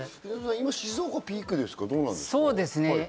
今、静岡がピークですか？